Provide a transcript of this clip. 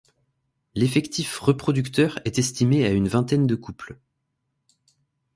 L'effectif reproducteur est estimé à une vingtaine de couples.